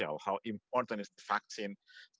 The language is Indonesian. bagaimana pentingnya vaksin